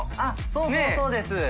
そうそうそうです。